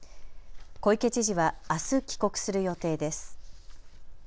小池知事はあす帰国する予定です。